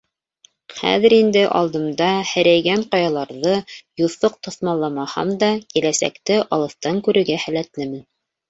— Хәҙер инде алдымда һерәйгән ҡаяларҙы юҫыҡ тоҫмалламаһам да, киләсәкте алыҫтан күрергә һәләтлемен.